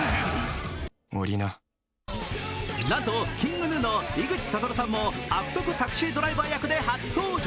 なんと、ＫｉｎｇＧｎｕの井口理さんも悪徳タクシードライバー役で初登場。